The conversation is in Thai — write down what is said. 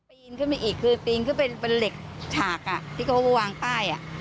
ปีนขึ้นไปอีกคือปีนขึ้นไปเป็นเหล็กฉากที่เขาวางป้าย